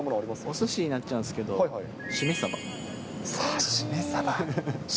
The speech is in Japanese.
おすしになっちゃうんですけれども、しめサバ。